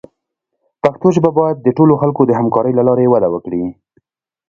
پښتو ژبه باید د ټولو خلکو د همکارۍ له لارې وده وکړي.